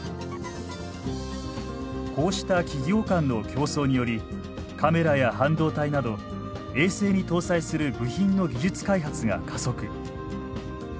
こうした企業間の競争によりカメラや半導体など衛星に搭載する部品の技術開発が加速。